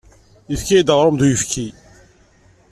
Yefka-iyi-d aɣrum d uyefki.